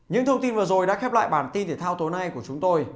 những thông tin vừa rồi đã khép lại bản tin thể thao tối nay của chúng tôi